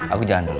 aku jalan dulu